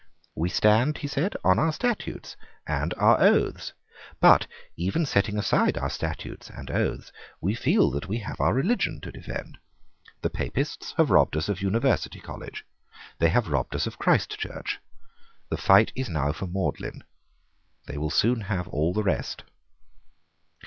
"We stand," he said, "on our statutes and our oaths: but, even setting aside our statutes and oaths, we feel that we have our religion to defend. The Papists have robbed us of University College. They have robbed us of Christ Church. The fight is now for Magdalene. They will soon have all the rest."